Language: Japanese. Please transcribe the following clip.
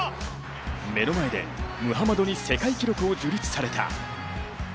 目の前でムハマドに世界記録を樹立された。